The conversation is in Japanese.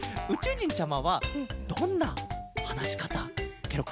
じんちゃまはどんなはなしかたケロかね？